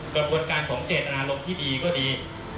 กระบวนการของเจตนารมณ์ที่ดีก็ดี